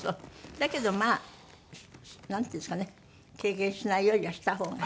だけどまあなんていうんですかね経験しないよりはした方が。